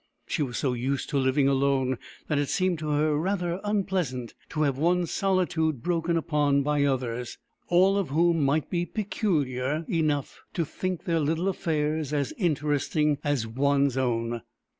She was so used to living alone that it seemed to her rather unpleasant to have one's solitude broken upon by others, all of whom might be peculiar S.A.B. 65 E 66 THE EMU WHO WOULD DANCE enough to think their little affairs as interesting as one's own.